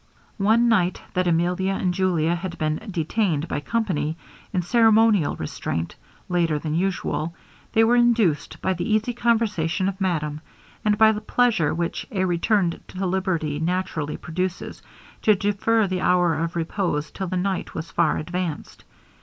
One night that Emilia and Julia had been detained by company, in ceremonial restraint, later than usual, they were induced, by the easy conversation of madame, and by the pleasure which a return to liberty naturally produces, to defer the hour of repose till the night was far advanced.